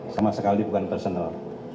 sama sekali bukan personal